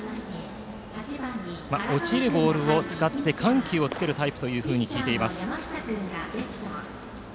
落ちるボールを使って緩急をつけるタイプと聞きます。